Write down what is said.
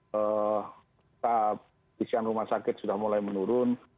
kesiapan rumah sakit sudah mulai menurun